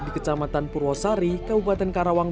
di kecamatan purwosari kabupaten karawang